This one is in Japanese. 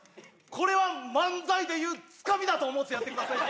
これは漫才で言うつかみだと思ってやってください